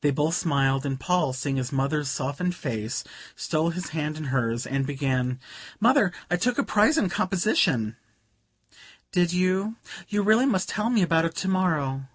They both smiled, and Paul, seeing his mother's softened face, stole his hand in hers and began: "Mother, I took a prize in composition " "Did you? You must tell me about it to morrow.